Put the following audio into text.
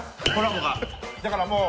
だからもう。